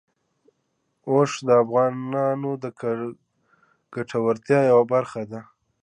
اوښ د افغانانو د ګټورتیا یوه برخه ده.